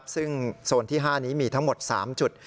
ซึ่งโซนที่๕นี้มีทั้งหมด๓จุด